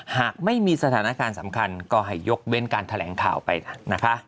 หากไม่มีสถานการณ์สำคัญก็ให้ยกเว้นการแถลงข่าวไปนะคะ